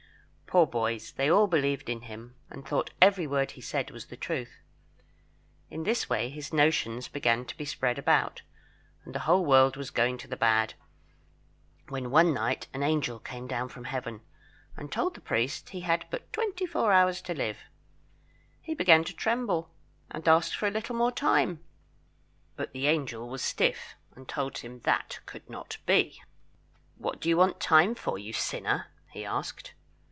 Poor boys; they all believed in him, and thought every word he said was the truth. In this way his notions began to spread about, and the whole world was going to the bad, when one night an angel came down from Heaven, and told the priest he had but twenty four hours to live. He began to tremble, and asked for a little more time. But the angel was stiff, and told him that could not be. "What do you want time for, you sinner?" he asked.